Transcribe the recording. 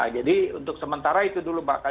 jadi untuk sementara itu dulu bakal